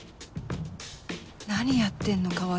何やってんの川合